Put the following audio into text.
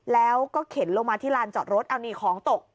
แล้วก็เข็นลงมาที่ลานจอดรถเอานี่ของตก